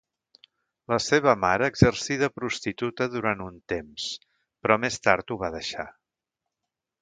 La seva mare exercí de prostituta durant un temps, però més tard ho va deixar.